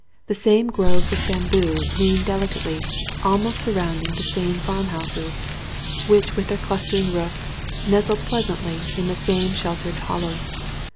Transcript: The same groves of bamboo lean deli cately, almost surrounding the same farm houses, which with their clustering roofs nestle pleasantly in the same sheltered hollows.